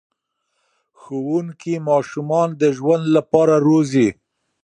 ښوونکي ماشومان د ژوند لپاره روزي.